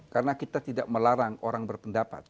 karena kita tidak melarang orang berpendapat